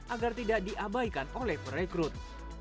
agar tidak diabaikan oleh perekrut